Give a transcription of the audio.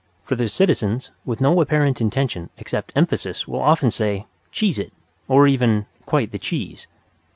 For their citizens, with no apparent intention except emphasis, will often say, "Cheese it!" or even "Quite the cheese."